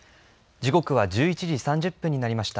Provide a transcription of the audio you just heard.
時刻は１１時３０分になりました。